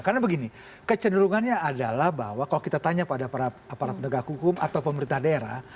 karena begini kecenderungannya adalah bahwa kalau kita tanya pada para pendegah hukum atau pemerintah daerah